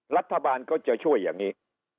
รัฐบาลก็จะช่วยอย่างนี้